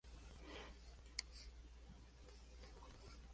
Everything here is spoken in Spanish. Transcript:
Realizó otras grabaciones para los sellos Vik y Alegre Records.